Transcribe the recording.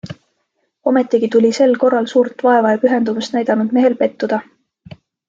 Ometigi tuli sel korral suurt vaeva ja pühendumust näidanud mehel pettuda...